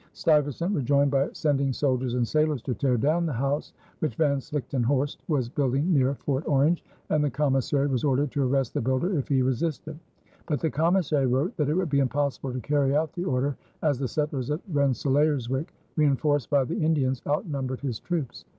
Stuyvesant rejoined by sending soldiers and sailors to tear down the house which Van Slichtenhorst was building near Fort Orange, and the commissary was ordered to arrest the builder if he resisted; but the commissary wrote that it would be impossible to carry out the order, as the settlers at Rensselaerswyck, reënforced by the Indians, outnumbered his troops.